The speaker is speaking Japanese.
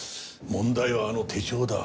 問題はあの手帳だ。